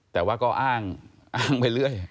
แต่ว่าก็อ้างไปเรื่อย